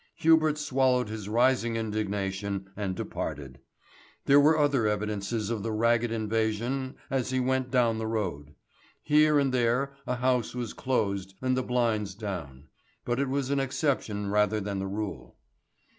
Hubert swallowed his rising indignation and departed. There were other evidences of the ragged invasion as he went down the road. Here and there a house was closed and the blinds down; but it was an exception rather than the rule.